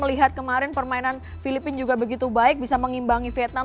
melihat kemarin permainan filipina juga begitu baik bisa mengimbangi vietnam